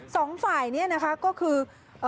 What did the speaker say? สองฝ่ายนี้ก็คือ